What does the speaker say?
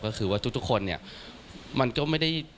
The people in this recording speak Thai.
ก็คือว่าทุกคนเนี่ยมันก็ไม่ได้